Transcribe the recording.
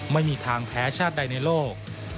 ไม่มีทางแพ้ชาติใดในโลก